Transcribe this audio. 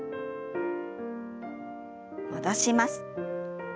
戻します。